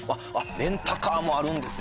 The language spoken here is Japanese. レンタカーもあるんですよ